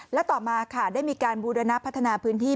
และต่อมาค่ะได้มีการบูรณพัฒนาพื้นที่